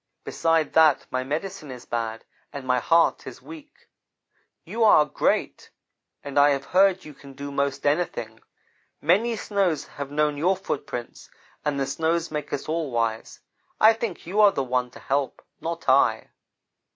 'Besides that, my medicine is bad and my heart is weak. You are great, and I have heard you can do most anything. Many snows have known your footprints, and the snows make us all wise. I think you are the one to help, not I.'